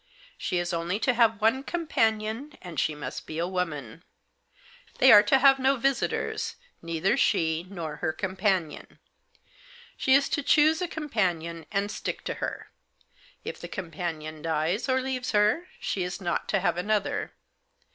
She is only to have one companion, and she must be a woman. They are to have no visitors, neither she nor her companion. She is to choose a companion, and stick to her. If the companion dies, or leaves her, she is not to have another.